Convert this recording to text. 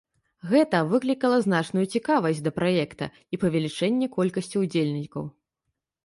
Гэта выклікала значную цікавасць да праекта, і павелічэнне колькасці ўдзельнікаў.